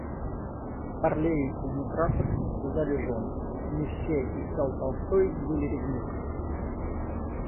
Карлейль и Некрасов истязали жен. Мюссе и Л. Толстой были ревнивцами.